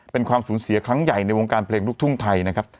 เป็นความสูญเสียครั้งใหญ่ในวงการเพลงลูกทุ่งไทยนะครับ